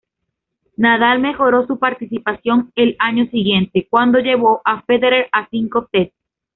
Nadal mejoró su participación el año siguiente, cuando llevó a Federer a cinco sets.